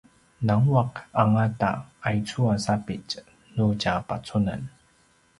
nanguaq angata aicu a sapitj nu tja pacunen